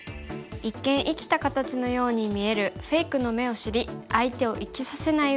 一見生きた形のように見えるフェイクの目を知り相手を生きさせない打ち方を学びます。